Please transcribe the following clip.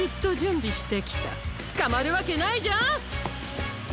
つかまるわけないじゃん！